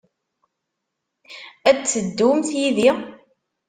Ad d-teddumt yid-i?